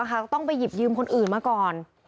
ก็ต้องไปหยิบยืมคนอื่นมาก่อน